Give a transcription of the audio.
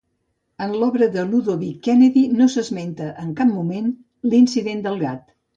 En l'obra de Ludovic Kennedy no s'esmenta en cap moment l'incident del gat.